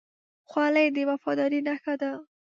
خولۍ د وفادارۍ نښه ده.